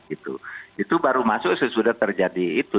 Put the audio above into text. itu baru masuk sesudah terjadi itu